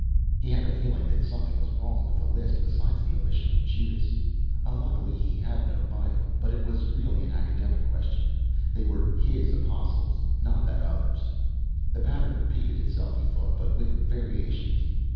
He had a feeling that something was wrong with the list besides the omission of Judas unluckily, he had no Bible but it was really an academic question. They were his apostles, not that Other's. The pattern repeated itself, he thought, but with variations.